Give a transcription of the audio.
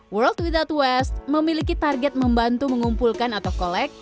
world without west memiliki target membantu mengumpulkan atau kolek